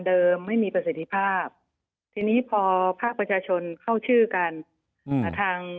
ไม่มีประสิทธิภาพทีนี้พอภาคประชาชนเข้าชื่อกันทาง